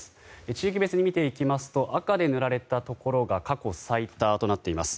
地域別に見ていきますと赤で塗られたところが過去最多となっています。